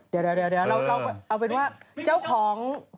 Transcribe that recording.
เดี๋ยวเดี๋ยวเราเราเอาเป็นว่าเจ้าของ